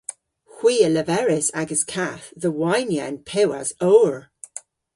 Hwi a leveris agas kath dhe waynya an pewas owr.